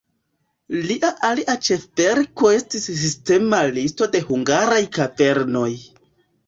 Lia alia ĉefverko estis sistema listo de hungaraj kavernoj.